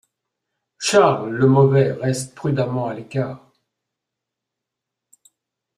Charles le Mauvais reste prudemment à l'écart.